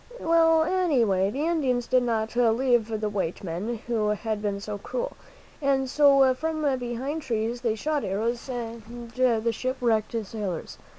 Well, any way, the Indians did not love the white men who had been so cruel, and so from behind trees they shot arrows at the ship wrecked sailors.